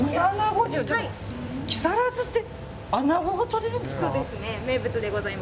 木更津ってアナゴが食べれるんですか。